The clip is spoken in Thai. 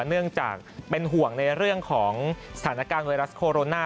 เนื่องจากเป็นห่วงในเรื่องของสถานการณ์ไวรัสโคโรนา